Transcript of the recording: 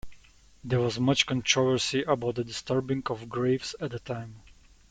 There was much controversy about the disturbing of graves at the time.